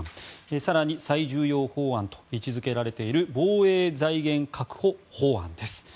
更に、最重要法案と位置付けられている防衛財源確保法案です。